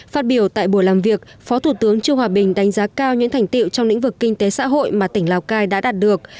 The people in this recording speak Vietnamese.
phát biểu tại buổi làm việc phó thủ tướng trương hòa bình đánh giá cao những thành tiệu trong lĩnh vực kinh tế xã hội mà tỉnh lào cai đã đạt được